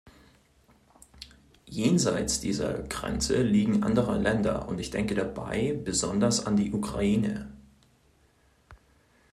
Jenseits dieser Grenze liegen andere Länder, und ich denke dabei besonders an die Ukraine.